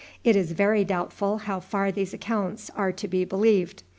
It is very doubtful how far these accounts are to be believed.